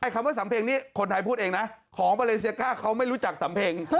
คำว่าสำเพ็งนี่คนไทยพูดเองนะของมาเลเซียก้าเขาไม่รู้จักสำเพ็ง